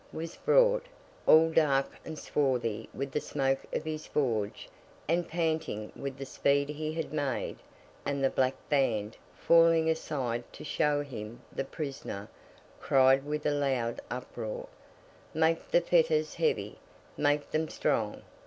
was brought, all dark and swarthy with the smoke of his forge, and panting with the speed he had made; and the Black Band, falling aside to show him the Prisoner, cried with a loud uproar, 'Make the fetters heavy! make them strong!